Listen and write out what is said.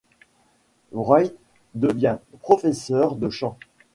Wright devient professeure de chant.